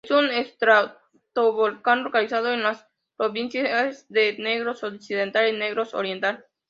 Es un estratovolcán localizado en las provincias de Negros Occidental y Negros Oriental.